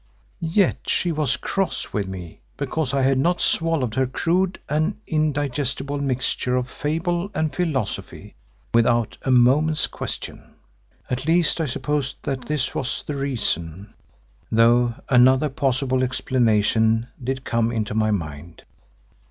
Yet she was cross with me because I had not swallowed her crude and indigestible mixture of fable and philosophy without a moment's question. At least I supposed that this was the reason, though another possible explanation did come into my mind.